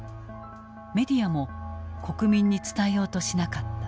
メディアも国民に伝えようとしなかった。